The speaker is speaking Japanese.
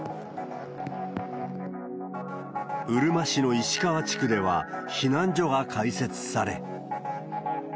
うるま市の石川地区では避難所が開設され。